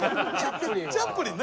チャップリンは？